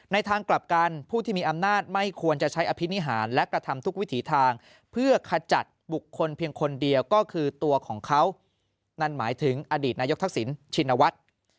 ทางกลับกันผู้ที่มีอำนาจไม่ควรจะใช้อภินิหารและกระทำทุกวิถีทางเพื่อขจัดบุคคลเพียงคนเดียวก็คือตัวของเขานั่นหมายถึงอดีตนายกทักษิณชินวัฒน์